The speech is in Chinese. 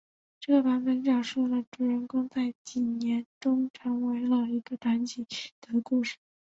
这个版本讲述了主人公在几年中成为了一个传奇的故事。